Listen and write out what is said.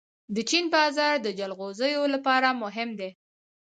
د چین بازار د جلغوزیو لپاره مهم دی.